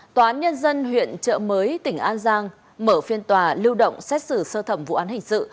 tòa án nhân dân huyện trợ mới tỉnh an giang mở phiên tòa lưu động xét xử sơ thẩm vụ án hình sự